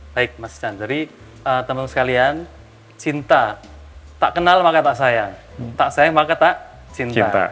baik mas chandri teman sekalian cinta tak kenal maka tak saya tak saya maka tak cinta